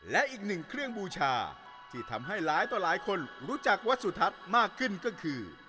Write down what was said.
และอีกหนึ่งเครื่องบูชาที่ทำให้หลายต่อหลายคนรู้จักวัดสุทัศน์มากขึ้นก็คือ